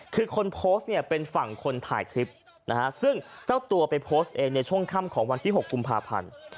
คือคนโพสต์เนี่ยเป็นฝั่งคนถ่ายคลิปนะฮะซึ่งเจ้าตัวไปโพสต์เองในช่วงค่ำของวันที่๖กุมภาพันธ์